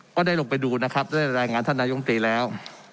ก็ได้ลงไปดูนะครับได้รายงานท่านนายมตรีแล้ว